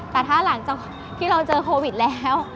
แต่ถ้าหลังจากที่เราเจอโควิดแล้ว